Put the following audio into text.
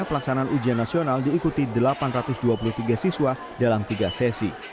pelaksanaan ujian nasional diikuti delapan ratus dua puluh tiga siswa dalam tiga sesi